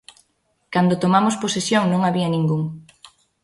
Cando tomamos posesión non había ningún.